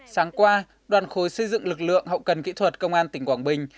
sáng qua đoàn khối xây dựng lực lượng hậu cần kỹ thuật công an tỉnh quảng bình